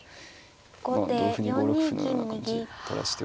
同歩に５六歩のような感じ垂らしておく。